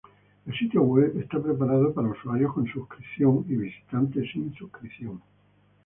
El sitio web está preparado para usuarios con suscripción y visitantes sin suscripción.